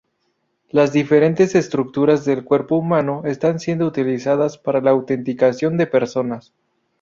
Las diferentes estructuras del cuerpo humano están siendo utilizadas para la autenticación de personas.